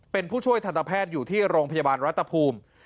เป็นผู้ช่วยทันตแพทย์อยู่ที่โรงพยาบาลรัฐภูมิ